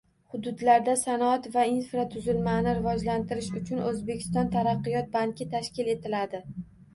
Hududlarda sanoat va infratuzilmani rivojlantirish uchun O‘zbekiston taraqqiyot banki tashkil etiladi.